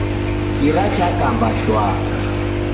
Kira chakamba shwa.